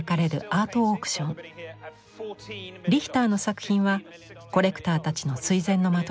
リヒターの作品はコレクターたちの垂ぜんの的です。